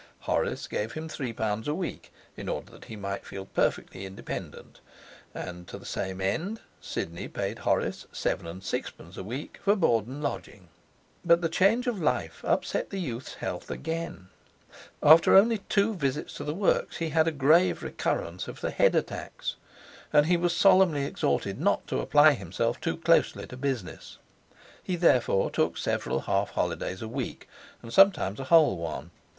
Horace gave him three pounds a week, in order that he might feel perfectly independent, and, to the same end, Sidney paid Horace seven and sixpence a week for board and lodging. But the change of life upset the youth's health again. After only two visits to the works he had a grave recurrence of the head attacks, and he was solemnly exhorted not to apply himself too closely to business. He therefore took several half holidays a week, and sometimes a whole one.